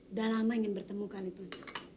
udah lama ingin bertemu kali pus